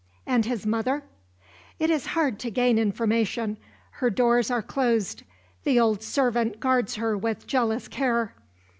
"And his mother?" "It is hard to gain information. Her doors are closed; the old servant guards her with jealous care.